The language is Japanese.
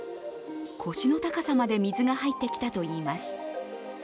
腰の高さまで水が入ってきたといいます。